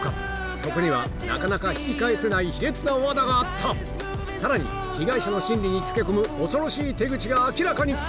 そこにはなかなか引き返せない卑劣な罠があったさらに被害者の心理につけ込む恐ろしい手口が明らかに！